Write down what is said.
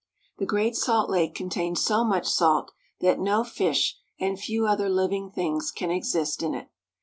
The Great Salt Lake contains so much salt that no fish and few other living things can exist in it.